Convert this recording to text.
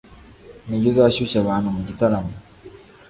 ni njye uzashyushya abantu mu gitaramo